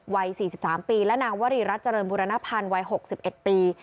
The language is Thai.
วัยสี่สิบสามปีและนางวรีรัฐเจริญบุรณพันธ์วัยหกสิบเอ็ดปี